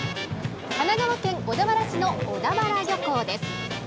神奈川県小田原市の小田原漁港です。